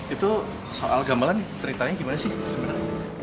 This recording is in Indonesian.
itu soal gamelan ceritanya gimana sih sebenarnya